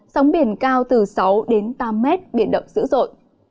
sóng biển cao từ sáu tám m biển động dữ dội